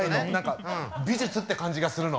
美術って感じがするの。